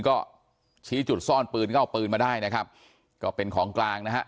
ก็ชี้จุดซ่อนปืนก็เอาปืนมาได้นะครับก็เป็นของกลางนะฮะ